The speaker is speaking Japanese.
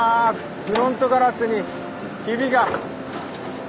フロントガラスにヒビが！